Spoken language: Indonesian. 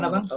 aku mau tau